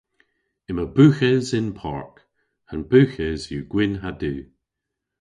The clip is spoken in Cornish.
Yma bughes y'n park. An bughes yw gwynn ha du.